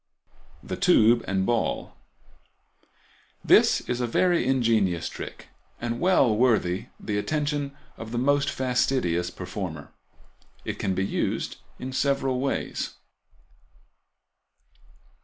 The Tube and Ball.—This is a very ingenious trick, and well worthy the attention of the most fastidious performer. It can be used in several ways.